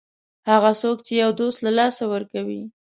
هغه څوک چې یو دوست له لاسه ورکوي.